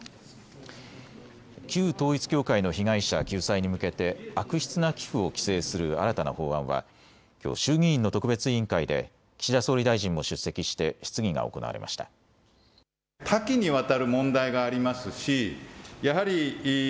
旧統一教会の被害者救済に向けて悪質な寄付を規制する新たな法案はきょう衆議院の特別委員会で岸田総理大臣も出席して質疑が行われました。